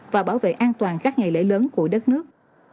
và bảo vệ an toàn các ngày lễ lớn của đất nước